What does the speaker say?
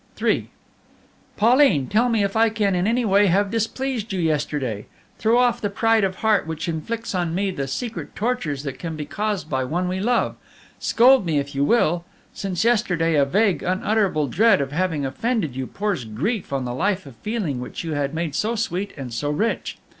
III "Pauline! tell me if I can in any way have displeased you yesterday? Throw off the pride of heart which inflicts on me the secret tortures that can be caused by one we love. Scold me if you will! Since yesterday, a vague, unutterable dread of having offended you pours grief on the life of feeling which you had made so sweet and so rich.